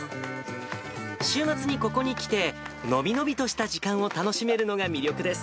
週末にここに来て、伸び伸びとした時間を楽しめるのが魅力です。